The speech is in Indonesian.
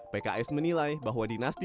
pks menilai bahwa dinasti